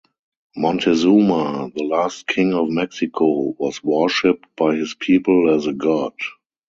Montezuma, the last king of Mexico, was worshiped by his people as a god.